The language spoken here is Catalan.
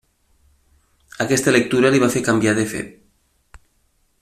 Aquesta lectura li va fer canviar de fe.